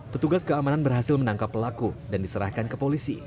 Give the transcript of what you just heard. petugas keamanan berhasil menangkap pelaku dan diserahkan ke polisi